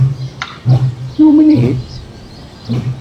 Yumen-itt.